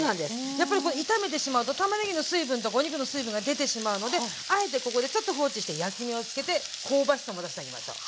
やっぱり炒めてしまうとたまねぎの水分とお肉の水分が出てしまうのであえてここでちょっと放置して焼き目をつけて香ばしさも出してあげましょう。